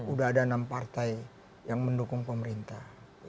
udah ada enam partai yang mendukung pemerintah